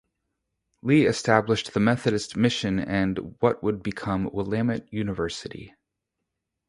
Lee established the Methodist Mission and what would become Willamette University.